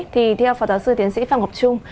thì theo phó giáo sư tiến sĩ phạm ngọc trung